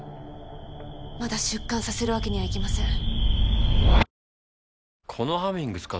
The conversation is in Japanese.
まだ出棺させるわけにはいきません。